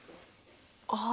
ああ。